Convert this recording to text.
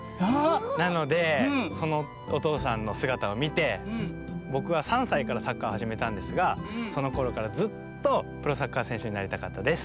なのでそのおとうさんのすがたをみてぼくは３さいからサッカーはじめたんですがそのころからずっとプロサッカーせんしゅになりたかったです。